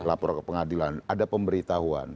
lapor ke pengadilan ada pemberitahuan